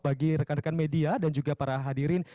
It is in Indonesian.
bagi rekan rekan media dan juga para hadirin